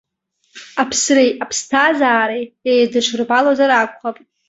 Аԥсреи аԥсҭазаареи еидыҽырбалозар акәхап.